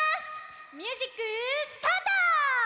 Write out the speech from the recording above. ミュージックスタート！